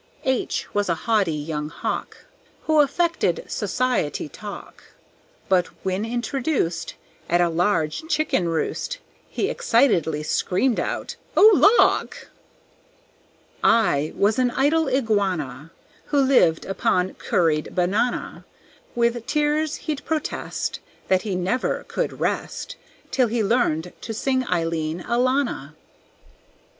H was a haughty young Hawk, Who affected society talk; But when introduced At a large chicken roost He excitedly screamed out, "Oh, Lawk!" I was an idle Iguana, Who lived upon curried banana; With tears he'd protest That he never could rest Till he learned to sing "Eileen Alanna."